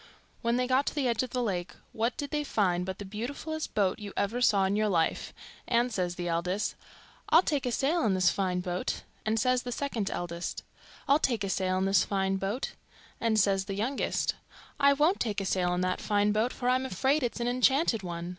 When they got to the edge of the lake what did they find but the beautifullest boat you ever saw in your life; and says the eldest, 'I'll take a sail in this fine boat'; and says the second eldest, 'I'll take a sail in this fine boat'; and says the youngest, 'I won't take a sail in that fine boat, for I am afraid it's an enchanted one.